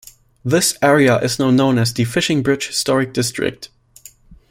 This area is now known as the Fishing Bridge Historic District.